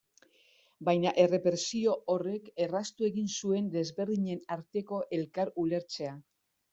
Baina errepresio horrek erraztu egin zuen desberdinen arteko elkar ulertzea.